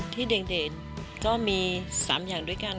เด่นก็มี๓อย่างด้วยกัน